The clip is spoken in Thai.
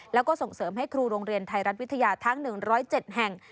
แล้วก็ส่งเสริมให้ครูโรงเรียนไทยรัฐวิทยาทั้ง๑๐๗แห่ง